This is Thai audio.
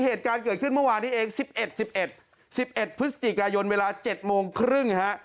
เหตุการณ์เกิดขึ้นเมื่อวานนี้เอง๑๑๑๑๑๑พฤศจิกายนเวลา๗โมงครึ่งฮะ